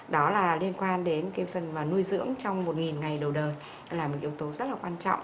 đó là liên quan đến cái phần mà nuôi dưỡng trong một ngày đầu đời là một yếu tố rất là quan trọng